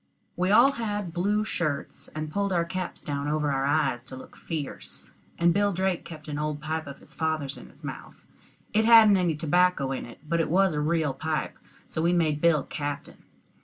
We all had blue shirts, and pulled our caps down over our eyes to look fierce. And Bill Drake kept an old pipe of his father's in his mouth; it hadn't any tobacco in it, but it was a real pipe, so we made Bill captain.